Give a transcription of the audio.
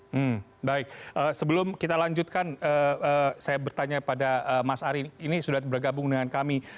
hmm baik sebelum kita lanjutkan saya bertanya pada mas ari ini sudah bergabung dengan kami